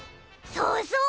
そうそう！